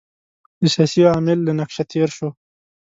د سیاسي عامل له نقشه تېر شو.